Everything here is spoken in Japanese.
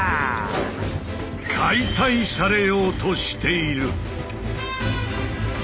「解体」されようとしている！